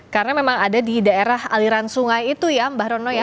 karena memang ada di daerah aliran sungai itu ya mbak rono ya